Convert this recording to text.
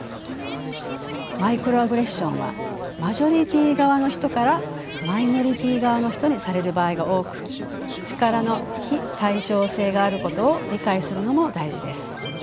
マイクロアグレッションはマジョリティー側の人からマイノリティー側の人にされる場合が多く力の非対称性があることを理解するのも大事です。